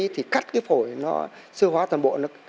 thì cắt cái phổi sơ hóa toàn bộ